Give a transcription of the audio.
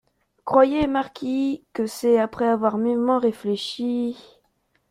Croyez, marquis, que c’est après avoir mûrement réfléchi…